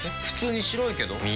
普通に白いけど。